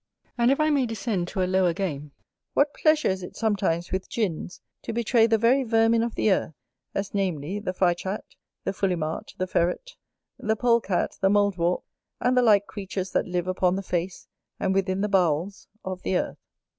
And if I may descend to a lower game, what pleasure is it sometimes with gins to betray the very vermin of the earth; as namely, the Fichat, the Fulimart, the Ferret, the Pole cat, the Mouldwarp, and the like creatures that live upon the face, and within the bowels of, the Earth.